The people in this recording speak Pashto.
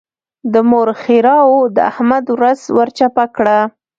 د مور ښېراوو د احمد ورځ ور چپه کړه.